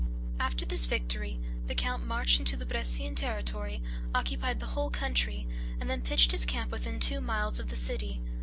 After this victory, the count marched into the Brescian territory, occupied the whole country, and then pitched his camp within two miles of the city.